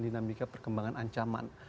dinamika perkembangan ancaman